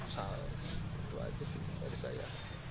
itu aja sih dari saya